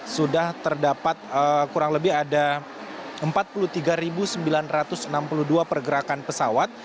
sudah terdapat kurang lebih ada empat puluh tiga sembilan ratus enam puluh dua pergerakan pesawat